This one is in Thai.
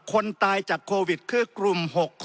คนตายจากโควิดคือกลุ่ม๖๐